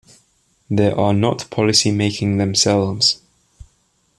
They are not policy-making themselves.